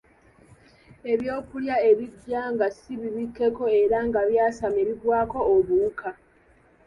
Ebyokulya ebijja nga si bibikkeko era nga byasamye bigwako obuwuka.